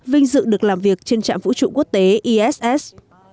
vinh dự được làm việc trên trạm vũ trụ quốc tế iss